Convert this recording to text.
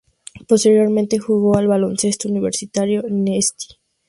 Posteriormente jugó al baloncesto universitario en St.